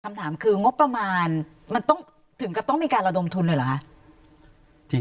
คำถามคืองบประมาณมันต้องถึงกับต้องมีการระดมทุนเลยเหรอคะ